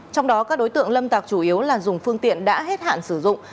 trong đó các đối tượng lâm tạc chủ yếu là dùng phương tiện đã hết hạn sử dụng